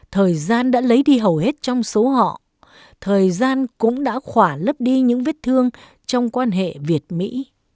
thời gian đã lấy đi hầu hết trong số họ thời gian cũng đã khỏa lấp đi những vết thương trong quan hệ việt mỹ